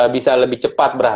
bisa lebih jauh